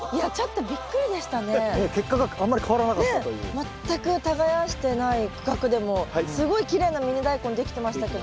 全く耕してない区画でもすごいきれいなミニダイコンできてましたけど。